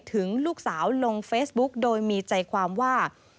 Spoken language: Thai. ถึงลูกสาวลงเฟซบุ๊กโดยมีใจความว่า